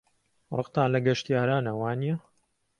ڕقتان لە گەشتیارانە، وانییە؟